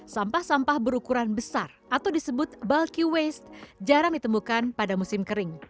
sampah sampah berukuran besar atau disebut bulky waste jarang ditemukan pada musim kering